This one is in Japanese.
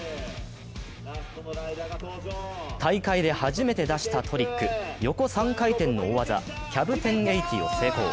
大会で初めて出したトリック横３回転の大技、キャブ１０８０を成功。